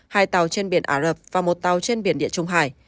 hai tàu trên biển ả rập và một tàu trên biển địa trung hải